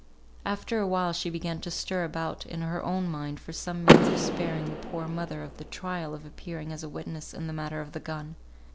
After a while she began to stir about in her own mind for some means of sparing the poor mother the trial of appearing as a witness in the matter of the gun.